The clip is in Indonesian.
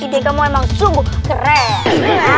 ide kamu emang sungguh keren